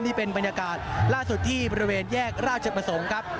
นี่เป็นบรรยากาศล่าสุดที่บริเวณแยกราชประสงค์ครับ